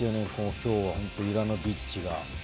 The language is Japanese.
今日は本当にユラノビッチが。